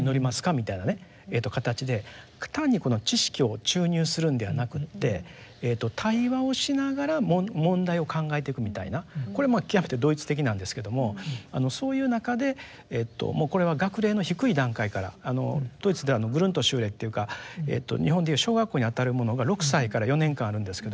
みたいな形で単に知識を注入するんではなくって対話をしながら問題を考えていくみたいなこれまあ極めてドイツ的なんですけどもそういう中でもうこれは学齢の低い段階からドイツではグルントシューレっていうか日本でいう小学校にあたるものが６歳から４年間あるんですけども